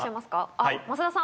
あっ増田さん。